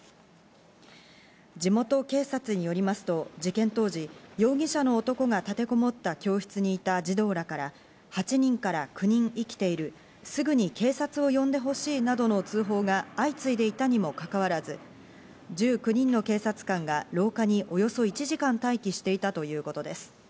地元警察によりますと、事件当時、容疑者の男が立てこもった教室にいた児童らから、８人から９人生きている、すぐに警察を呼んでほしいなどの通報が相次いでいたにもかかわらず、１９人の警察官が廊下におよそ１時間待機していたということです。